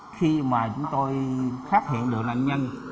khi mà chúng tôi phát hiện được nạn nhân